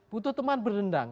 butuh teman berdendang